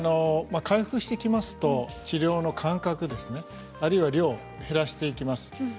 回復してきますと治療の間隔、あるいは量を減らしていきます。